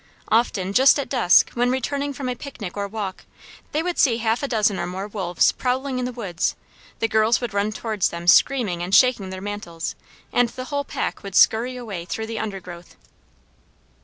Often just at dusk, when returning from a picnic or walk, they would see half a dozen or more wolves prowling in the woods; the girls would run towards them screaming and shaking their mantles, and the whole pack would scurry away through the undergrowth.